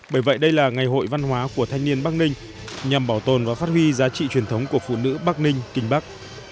bởi vậy đây là ngày hội văn hóa của thanh niên bắc ninh nhằm bảo tồn và phát huy giá trị truyền thống của phụ nữ bắc ninh kinh bắc